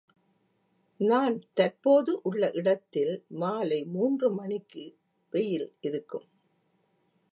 நான் தற்போது உள்ள இடத்தில் மாலை மூன்று மணிக்கு வெயில் இருக்கும்